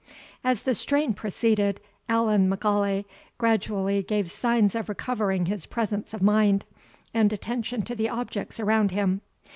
As the strain proceeded, Allan M'Aulay gradually gave signs of recovering his presence of mind, and attention to the objects around him.